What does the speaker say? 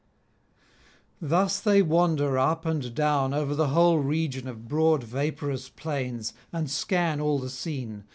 Thus they wander up and down over the whole region of broad vaporous plains, and scan all the scene.